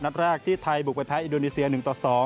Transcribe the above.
นัดแรกที่ไทยบุกไปแพ้อินโดนีเซีย๑ต่อ๒